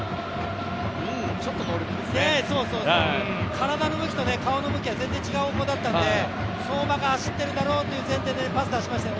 体の向きと顔の向きが全然違う方向だったんで、相馬が走っているだろうという前提でパスを出しましたね。